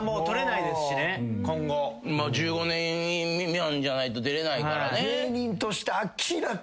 １５年未満じゃないと出れないからね。